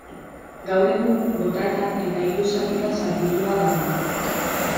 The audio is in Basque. Gaur egun, botata eta hiru zatitan zatitua dago.